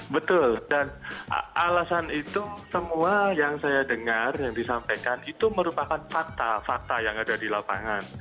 betul dan alasan itu semua yang saya dengar yang disampaikan itu merupakan fakta fakta yang ada di lapangan